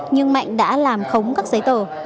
nhưng mạnh đã làm khống các giấy tờ